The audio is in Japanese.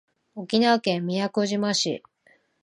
沖縄県宮古島市